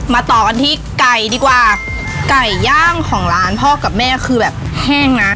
ต่อกันที่ไก่ดีกว่าไก่ย่างของร้านพ่อกับแม่คือแบบแห้งนะ